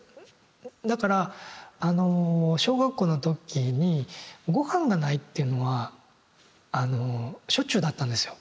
だからあの小学校の時に御飯がないっていうのはあのしょっちゅうだったんですよ。